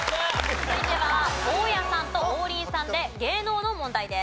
続いては大家さんと王林さんで芸能の問題です。